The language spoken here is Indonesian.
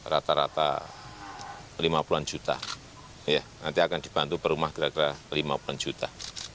rata rata lima puluhan juta nanti akan dibantu perumah kira kira lima puluhan juta